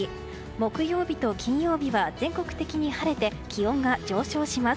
木曜日と金曜日は全国的に晴れて気温が上昇します。